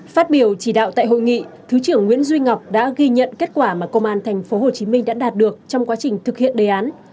phát biểu chỉ đạo tại hội nghị thứ trưởng nguyễn duy ngọc đã ghi nhận kết quả mà công an tp hcm đã đạt được trong quá trình thực hiện đề án